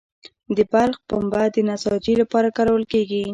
د بلخ پنبه د نساجي لپاره کارول کیږي